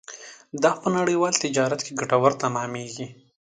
دا په نړیوال تجارت کې ګټور تمامېږي.